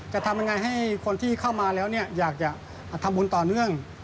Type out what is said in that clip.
จะทำยังไงให้คนที่เข้ามาแล้วอยากจะทำบุญต่อเนื่อง